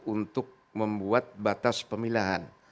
untuk membuat batas pemilahan